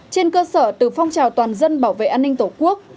trên cơ sở từ phong trào toàn dân bảo vệ an ninh tổ quốc